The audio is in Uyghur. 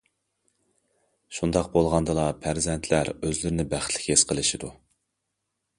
شۇنداق بولغاندىلا پەرزەنتلەر ئۆزلىرىنى بەختلىك ھېس قىلىشىدۇ.